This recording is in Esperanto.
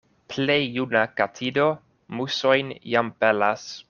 Plej juna katido musojn jam pelas.